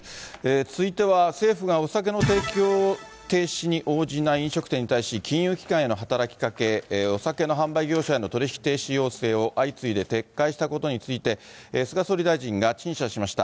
続いては政府がお酒の提供停止に応じない飲食店に対し、金融機関への働きかけ、お酒の販売業者への取り引き停止要請を相次いで撤回したことについて、菅総理大臣が陳謝しました。